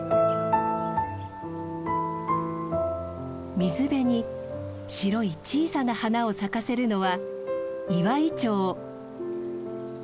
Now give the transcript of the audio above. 水辺に白い小さな花を咲かせるのはイワイチョウ。